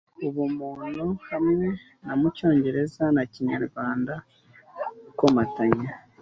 ubumuntu hamwe na mucyongereza na Kinyarwanda ikomatanya